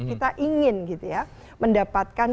kita ingin gitu ya mendapatkan